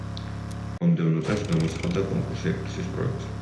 მომდევნო წელს გამოცხადდა კონკურსი ეკლესიის პროექტზე.